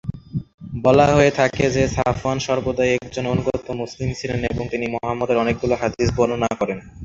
বলা হয়ে থাকে যে, সাফওয়ান সর্বদাই একজন অনুগত মুসলিম ছিলেন এবং তিনি মুহাম্মাদের অনেকগুলো হাদিস বর্ণনা করেন।